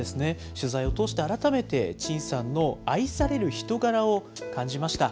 取材を通して改めて陳さんの愛される人柄を感じました。